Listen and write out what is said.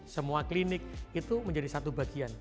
semua klinik itu menjadi satu bagian